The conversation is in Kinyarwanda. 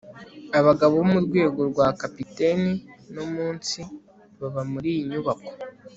abagabo bo mu rwego rwa capitaine no munsi baba muri iyi nyubako